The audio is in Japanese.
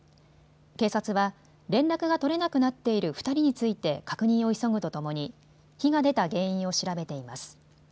警察は連絡が取れなくなっている２人について確認を急ぐとともに火が出た原因を調べています。